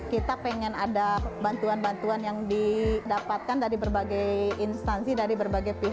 kita ingin ada bantuan bantuan yang didapatkan dari berbagai instansi